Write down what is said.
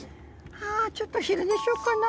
「はぁちょっと昼寝しようかな」。